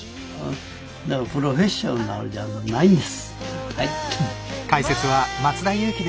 だからプロフェッショナルじゃないんです。